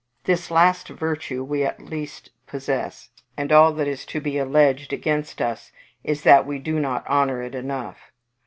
This last virtue we at least possess; and all that is to be alleged against us is that we do not honour it enough.